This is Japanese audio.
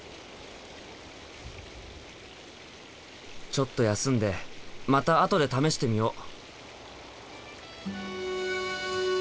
ちょっと休んでまた後で試してみよう！